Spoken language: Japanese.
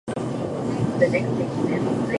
埼玉県毛呂山町